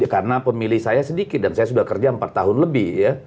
karena pemilih saya sedikit dan saya sudah kerja empat tahun lebih